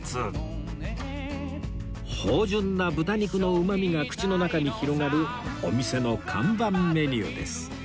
芳醇な豚肉のうまみが口の中に広がるお店の看板メニューです